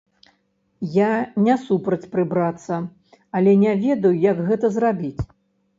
Я не супраць прыбрацца, але не ведаю, як гэта зрабіць.